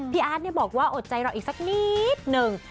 พี่อาร์ดเนี่ยบอกว่าโอดใจเราอีกสักนิดนึง